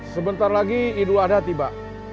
sebentar lagi idul adha tiba